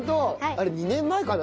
あれ２年前かな？